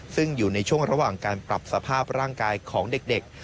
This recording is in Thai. ซึ่งอยู่ในช่วงระหว่างการปรับสภาพร่างกายของเด็ก